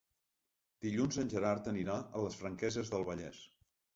Dilluns en Gerard anirà a les Franqueses del Vallès.